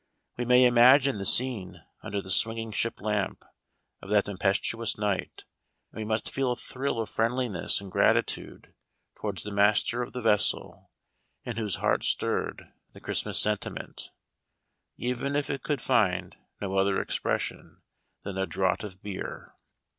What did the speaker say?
We may imagine the scene under the swing ing ship lamp of that tempestuous night, and we must feel a thrill of friendliness and gratitude towards the Master of the vessel in whose heart stirred the Christmas sentiment, even if it could find no other expression than a draught of " beere."